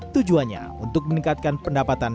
tujuannya untuk meningkatkan pendapatan